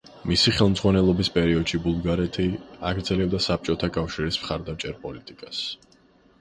მისი ხელმძღვანელობის პერიოდში ბულგარეთი აგრძელებდა საბჭოთა კავშირის მხარდამჭერ პოლიტიკას.